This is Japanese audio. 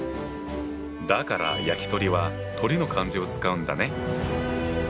だから焼き鳥は鳥の漢字を使うんだね。